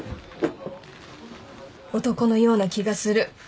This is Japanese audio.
男のような気がする。